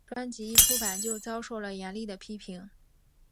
专辑一出版就遭受了严厉的批评。